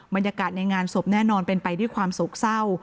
บรรยากาศในงานศพแน่นอนเป็นไปด้วยความโศกเศร้า